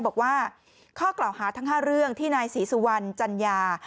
บอกว่าข้อกล่าวหาทั้ง๕เรื่องที่นายศรีสุวรรณจัญญา